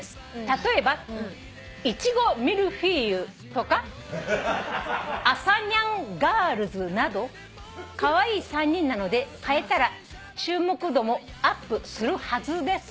「例えばイチゴミルフィーユとかアサニャンガールズなどカワイイ３人なので変えたら注目度もアップするはずです」